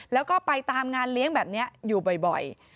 แล้วก็ไปตามงานเลี้ยงแบบนี้อยู่บ่อย